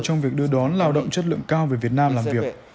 trong việc đưa đón lao động chất lượng cao về việt nam làm việc